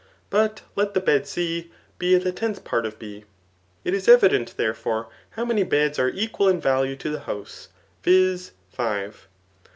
But let the bed C be the tenth part of B. It is evident, therefore, bow many beds are equal in value to the house, viz. five.